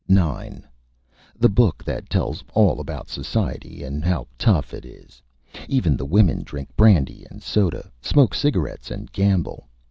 9. The Book that tells all about Society and how Tough it is. Even the Women drink Brandy and Soda, smoke Cigarettes, and Gamble.